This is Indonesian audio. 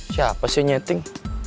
siapa sih nyeting